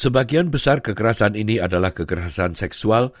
sebagian besar kekerasan ini adalah kekerasan seksual